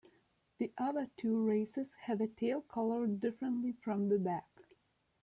The other two races have the tail coloured differently from the back.